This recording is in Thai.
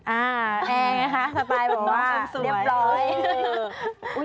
แอ้งนะคะสไตล์บอกว่าเรียบร้อย